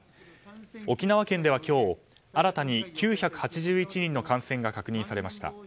沖縄県では今日新たに９８１人の感染が確認されました。